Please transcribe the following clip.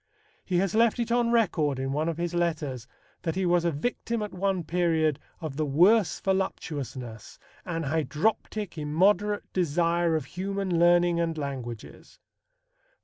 He has left it on record in one of his letters that he was a victim at one period of "the worst voluptuousness, an hydroptic, immoderate desire of human learning and languages."